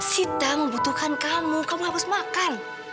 sita membutuhkan kamu kamu harus makan